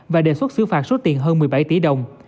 và đề xuất xứ phạt số tiền hơn một mươi bảy tỷ đồng